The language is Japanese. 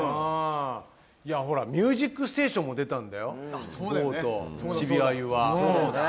ほら、「ミュージックステーション」も出たんだよ、剛とチビあゆは。